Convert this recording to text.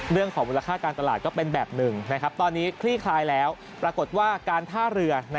เรื่องของมูลค่าการตลาดก็เป็นแบบหนึ่งตอนนี้คลี่คลายแล้วปรากฏว่าการท่าเรือ